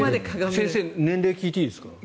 先生年齢、聞いていいですか？